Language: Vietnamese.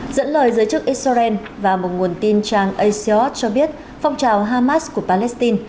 dẫn lời giới chức israel và một nguồn tin trang asean cho biết phong trào hamas của palestine